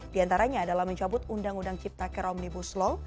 di antaranya adalah mencabut undang undang cipta kerom di buslo